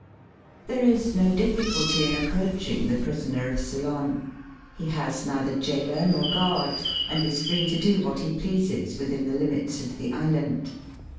There is no difficulty in approaching the prisoner of Ceylon. He has neither jailor nor guard, and is free to do what he pleases within the limits of the island.